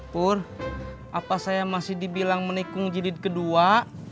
pur apa saya masih dibilang menikung jilid kedua